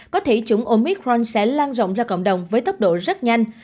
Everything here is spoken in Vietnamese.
có thể chủng omitron sẽ lan rộng ra cộng đồng với tốc độ rất nhanh